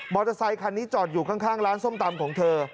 เตอร์ไซคันนี้จอดอยู่ข้างร้านส้มตำของเธอ